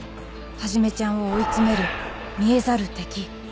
はじめちゃんを追い詰める「見えざる敵」